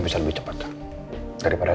padahal udah dari tadi ya